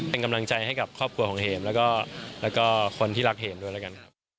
เป็นกำลังใจให้กับครอบครัวของเห็มแล้วก็คนที่รักเห็มด้วยแล้วกันครับ